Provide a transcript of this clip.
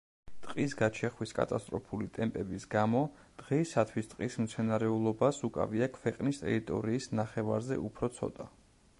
ტყის გაჩეხვის კატასტროფული ტემპების გამო, დღეისათვის ტყის მცენარეულობას უკავია ქვეყნის ტერიტორიის ნახევარზე უფრო ცოტა.